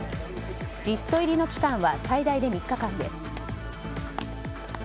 リスト入りの期間は最大で３日間です。